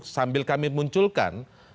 sambil kami munculkan